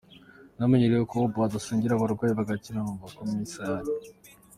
Namenye rero ko Ubald asengera abarwayi bagakira, numva ko ngomba kwitabira Misa ye.